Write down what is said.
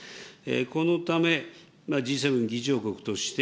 このため、Ｇ７議長国として、